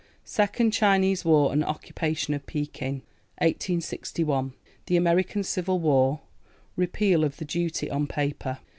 Second Chinese War and occupation of Pekin. 1861. THE AMERICAN CIVIL WAR. Repeal of the duty on paper.